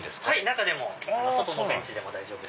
中でも外のベンチでも大丈夫。